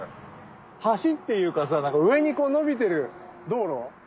橋っていうかさ上にのびてる道路。